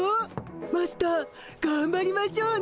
マスターがんばりましょうね。